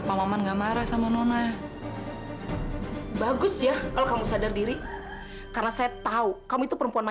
sampai jumpa di video selanjutnya